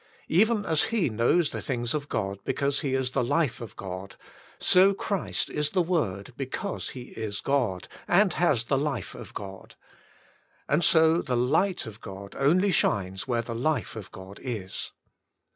Even as He knows the things of God be cause He is the life of God, so Christ is the Word because He is God, and has the life of God; and so the light of God only shines where the life of God is.